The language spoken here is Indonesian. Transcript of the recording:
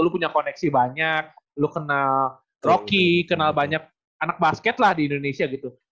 lu punya koneksi banyak lu kenal rocky kenal banyak anak basket lah di indonesia gitu